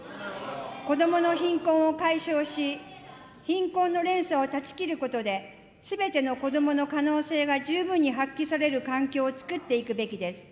子どもの貧困を解消し、貧困の連鎖を断ち切ることで、すべてのこどもの可能性が十分に発揮される環境を作っていくべきです。